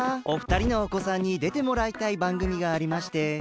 お二人のおこさんにでてもらいたいばんぐみがありまして。